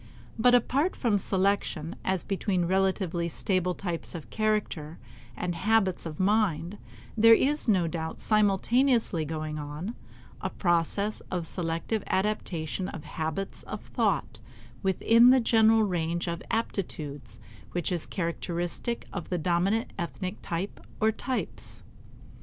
But apart from selection as between relatively stable types of character and habits of mind, there is no doubt simultaneously going on a process of selective adaptation of habits of thought within the general range of aptitudes which is characteristic of the dominant ethnic type or types.